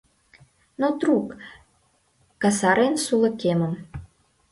Но трук, касарен сулыкемым